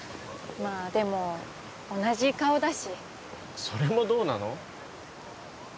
まあでも同じ顔だしそれもどうなの？